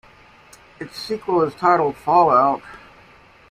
Its sequel is titled "Fallout".